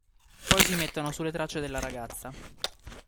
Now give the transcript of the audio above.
Poi si mettono sulle tracce della ragazza.